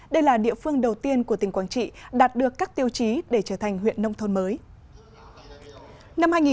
đây là địa phương đầu tiên của tỉnh quảng trị đạt được các tiêu chí để trở thành huyện nông thôn mới